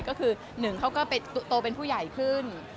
ก็คือหนึ่งเขาก็ไปโตเป็นผู้ใหญ่ขึ้น